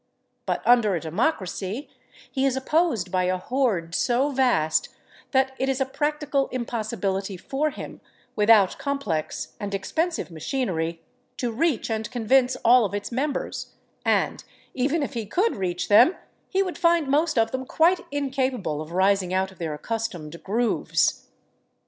But under a democracy he is opposed by a horde so vast that it is a practical impossibility for him, without complex and expensive machinery, to reach and convince all of its members, and even if he could reach them he would find most of them quite incapable of rising out of their accustomed grooves.